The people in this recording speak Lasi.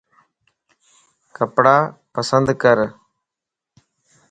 ڪپڙا پسند ڪر